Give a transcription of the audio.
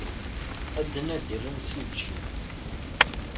Ad d-nadiɣ imsujji.